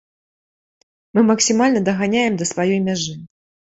Мы максімальна даганяем да сваёй мяжы.